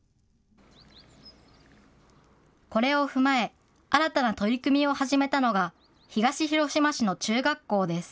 これを踏まえ、新たな取り組みを始めたのが、東広島市の中学校です。